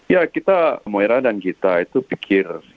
ya kita moira dan gita itu pikir